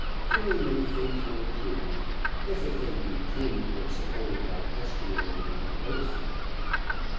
Very many things were proved, if a thing be proved when supported by testimony on oath.